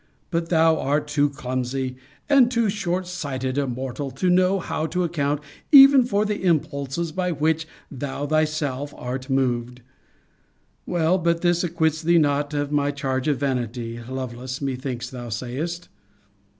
But thou art too clumsy and too short sighted a mortal, to know how to account even for the impulses by which thou thyself art moved. Well, but this acquits thee not of my charge of vanity, Lovelace, methinks thou sayest.